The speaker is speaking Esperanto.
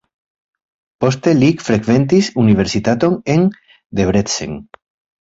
Poste li frekventis universitaton en Debrecen.